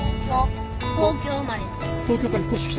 東京生まれです。